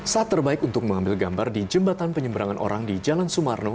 saat terbaik untuk mengambil gambar di jembatan penyeberangan orang di jalan sumarno